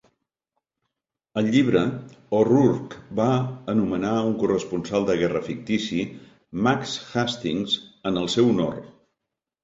Al llibre, O'Rourke va anomenar un corresponsal de guerra fictici Max Hastings en el seu honor.